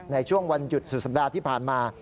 ในช่วงวันหยุดสุดสัปดาห์ที่ผ่านมา